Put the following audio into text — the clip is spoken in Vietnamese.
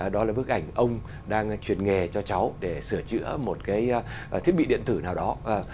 đó là bức ảnh ông đang truyền nghề cho cháu để sửa chữa một cái thiết bị điện tử nào đó